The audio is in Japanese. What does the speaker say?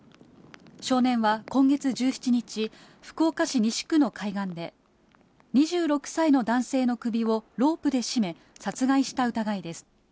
少年は今月１７日、福岡市西区の海岸で、２６歳の男性の首をロープで絞め、殺害した疑いです。